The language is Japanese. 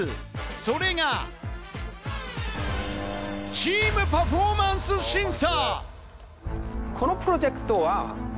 それがチーム・パフォーマンス審査！